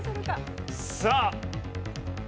さあ。